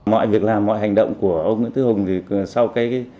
mọi việc làm mọi hành động của ông nguyễn tứ hùng thì sau cái